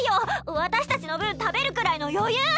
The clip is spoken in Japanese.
私たちの分食べるくらいの余裕！